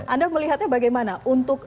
anda melihatnya bagaimana untuk